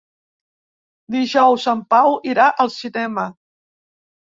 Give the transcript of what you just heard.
Dijous en Pau irà al cinema.